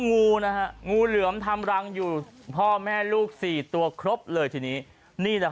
งูเหลื่อมทำรังอยู่พ่อแม่ลูกสี่ตัวกรบเลยทีนี้